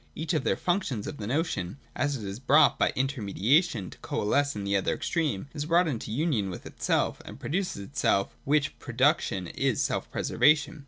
Each of the functions of the notion, as it is brought by inter mediation to coalesce with the other extreme, is brought into union with itself and produces itself: which pro duction is selfpreservation.